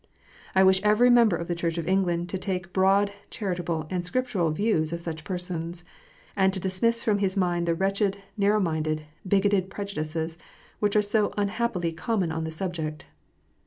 I wish every member of the Church of England to take broad, charitable, and Scrip tural views of such persons, and to dismiss from his mind the wretched, narrow minded, bigoted prejudices which are so unhappily common on the subject.